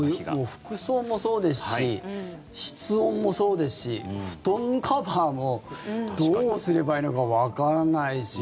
服装もそうですし室温もそうですし布団カバーもどうすればいいのかわからないし。